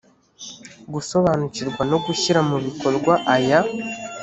gusobanukirwa no gushyira mu bikorwa aya